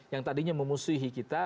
yang tadinya memusuhi kita